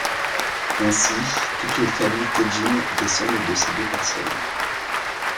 Ainsi, toutes les familles Tedjin' descendent de ces deux personnes.